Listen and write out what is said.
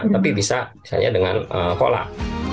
tapi bisa dengan kolak